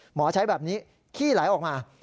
หมอใช้แบบนี้ขี้ไหลออกมา